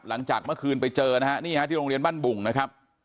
หลังจากเมื่อคืนไปเจอนะฮะนี่ฮะที่โรงเรียนบ้านบุ่งนะครับ